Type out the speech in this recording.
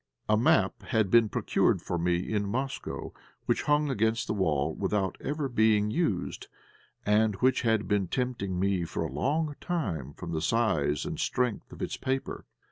A map had been procured for me from Moscow, which hung against the wall without ever being used, and which had been tempting me for a long time from the size and strength of its paper.